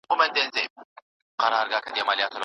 انټرنیټ علم ته اسانه لاسرسی برابر کړی دی.